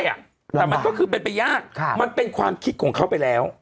แต่มันก็คือเป็นไปยากมันเป็นความคิดของเขาไปแล้ว